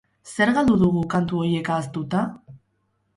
Zer galdu dugu kantu horiek ahaztuta?